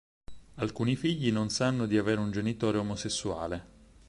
Alcuni figli non sanno di avere un genitore omosessuale.